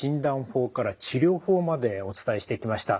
法から治療法までお伝えしてきました。